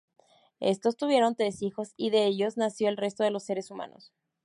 Estos tuvieron tres hijos y de ellos nació el resto de los seres humanos.